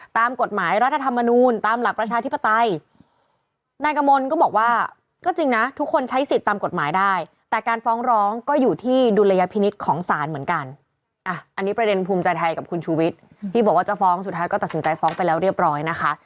ที่บอกว่าจะฟ้องสุดท้ายก็ตัดสินใจฟ้องไปแล้วเรียบร้อยนะคะ